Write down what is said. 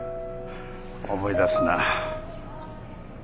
思い出すな。